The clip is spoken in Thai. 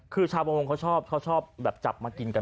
คือชาวบังวงเขาชอบแบบจับมากินกัน